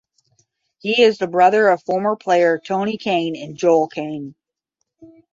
He is the brother of former players Tony Caine and Joel Caine.